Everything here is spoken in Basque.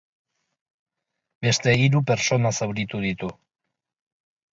Beste hiru pertsona zauritu ditu.